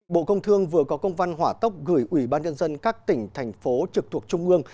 bộ công thương vừa có công văn hỏa tốc gửi ủy ban nhân dân các tỉnh thành phố trực thuộc trung ương